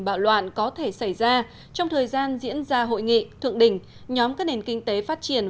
bạo loạn có thể xảy ra trong thời gian diễn ra hội nghị thượng đỉnh nhóm các nền kinh tế phát triển